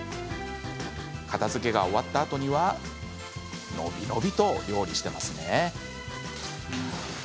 片づけが終わったあとには伸び伸びと料理していますね。